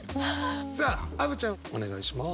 さあアヴちゃんお願いします。